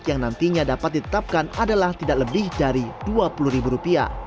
yang nantinya dapat ditetapkan adalah tidak lebih dari rp dua puluh